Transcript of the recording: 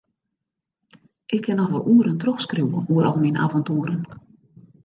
Ik kin noch wol oeren trochskriuwe oer al myn aventoeren.